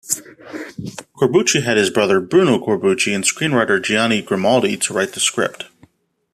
Corbucci had his brother Bruno Corbucci and screenwriter Gianni Grimaldi to write the script.